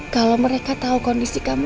kalau mereka tahu kondisi kami